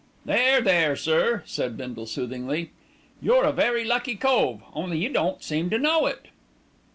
"There, there, sir," said Bindle soothingly, "you're a very lucky cove, only you don't seem to know it."